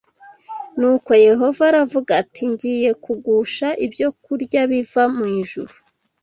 Nuko Yehova aravuga ati ‘ngiye kugusha ibyokurya biva mu ijuru